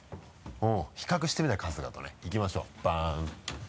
比較してみたい春日とねいきましょうバン。